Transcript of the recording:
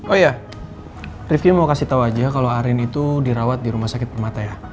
oh iya rifki mau kasih tahu aja kalau arin itu dirawat di rumah sakit permata ya